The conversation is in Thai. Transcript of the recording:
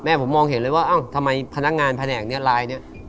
แม่ผมมองเห็นเลยว่าทำไมพนักงานแผนกเนี่ยลายเนี่ย